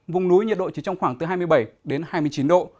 vùng núi nhiệt độ chỉ trong khoảng hai mươi bảy hai mươi chín độ